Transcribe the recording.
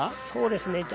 そうですね。